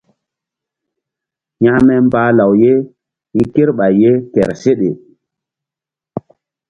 Hekme mbah law ye hi̧ kerɓay ye kehr seɗe.